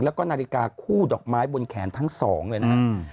แล้วก็นาฬิกาคู่ดอกไม้บนแขนทั้งสองเลยนะครับ